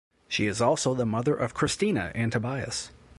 She is also the mother of Christina and Tobias.